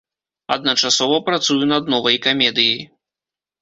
Адначасова працую над новай камедыяй.